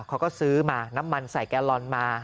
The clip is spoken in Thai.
เขาก็ซื้อมาน้ำมันใส่แกลลอนมา